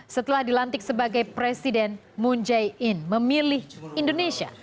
setelah dilantik sebagai presiden moon jae in memilih indonesia